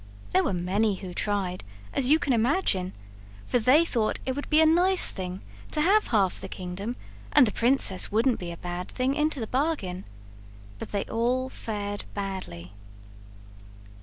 There were many who tried, as you can imagine; for they thought it would be a nice thing to have half the kingdom, and the princess wouldn't be a bad thing into the bargain. But they all fared badly.